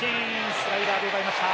スライダーで奪いました。